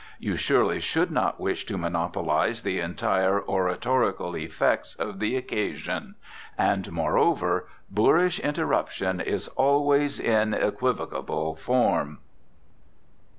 You surely should not wish to monopolize the entire oratorical effects of the occasion; and, moreover, boorish interruption is always in equivocal form.